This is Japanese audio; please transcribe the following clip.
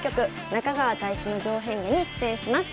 中川大志之丞変化」に出演します。